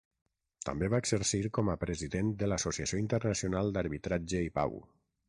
També va exercir com a president de l'Associació Internacional d'Arbitratge i Pau.